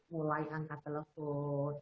mulai angkat telepon